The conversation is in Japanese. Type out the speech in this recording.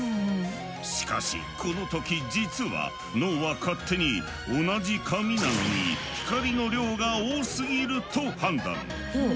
しかしこの時実は脳は勝手に「同じ紙なのに光の量が多すぎる」と判断。